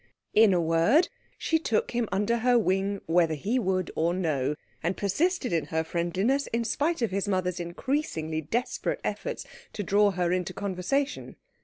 In a word, she took him under her wing whether he would or no, and persisted in her friendliness in spite of his mother's increasingly desperate efforts to draw her into conversation.